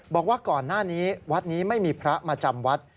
บอกว่าก่อนหน้านี้วัดนี้ไม่มีพระมาจำวัด